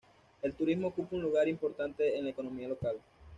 El turismo ocupa un lugar importante en la economía local.